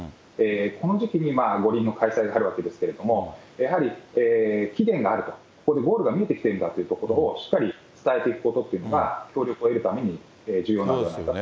この時期に五輪の開催になるわけですけれども、やはり期限があると、ゴールが見えてきているんだということをしっかり伝えていくことっていうのが協力を得るために重要なんじゃないかと。